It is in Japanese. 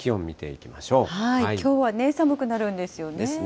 きょうはね、寒くなるんですよね。ですね。